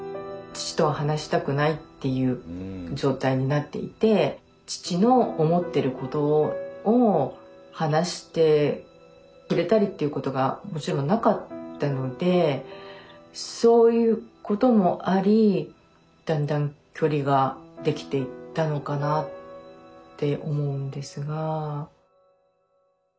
父とは話したくないっていう状態になっていて父の思ってることを話してくれたりっていうことがもちろんなかったのでそういうこともありだんだん距離ができていったのかなって思うんですが。